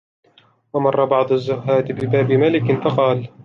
وَمَرَّ بَعْضُ الزُّهَّادِ بِبَابِ مَلِكٍ فَقَالَ